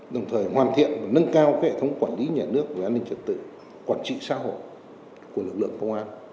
đồng thời hoàn thiện và nâng cao hệ thống quản lý nhà nước về an ninh trật tự quản trị xã hội của lực lượng công an